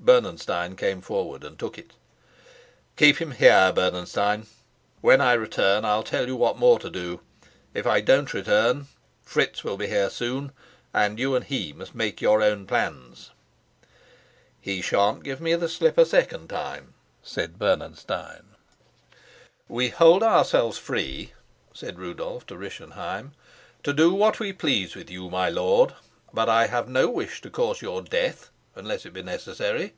Bernenstein came forward and took it. "Keep him here, Bernenstein. When I return I'll tell you what more to do. If I don't return, Fritz will be here soon, and you and he must make your own plans." "He sha'n't give me the slip a second time," said Bernenstein. "We hold ourselves free," said Rudolf to Rischenheim, "to do what we please with you, my lord. But I have no wish to cause your death, unless it be necessary.